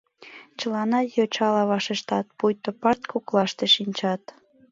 Чыланат йочала вашештат, пуйто парт коклаште шинчат.